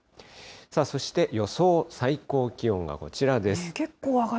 そして、予想最高気温はこちらです。